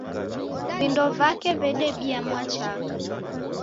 Vindo vake vedebia mwachaka